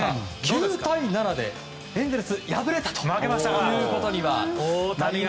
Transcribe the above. ９対７でエンゼルスが敗れたということになりましたが。